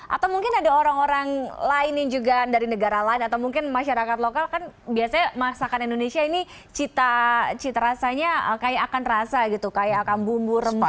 atau mungkin ada orang orang lain yang juga dari negara lain atau mungkin masyarakat lokal kan biasanya masakan indonesia ini cita rasanya kayak akan rasa gitu kayak akan bumbu rempah